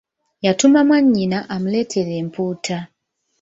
Yatuma mwannyina amuleetere empuuta.